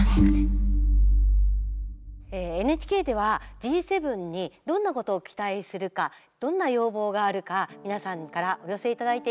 ＮＨＫではＧ７にどんなことを期待するかどんな要望があるか皆さんからお寄せいただいています。